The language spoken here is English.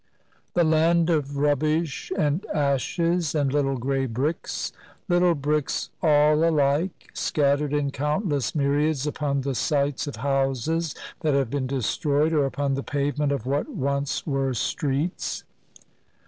The land of rubbish and ashes, and little gray bricks, — little bricks all alike, scattered in countless myriads upon the sites of houses that have been destroyed, or upon the pavement of what once were streets.